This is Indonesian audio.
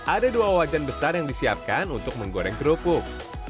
ada dua wajan besar yang disiapkan untuk menggoreng kerupuk